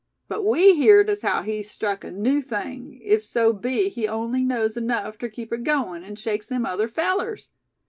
But we heerd as haow he's struck a new thing, if so be he on'y knows enuff ter keep it agoin', an' shakes them other fellers.